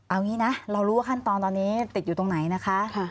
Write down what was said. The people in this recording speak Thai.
เอางี้นะเรารู้ว่าขั้นตอนตอนนี้ติดอยู่ตรงไหนนะคะ